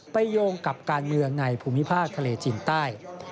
โยงกับการเมืองในภูมิภาคทะเลจีนใต้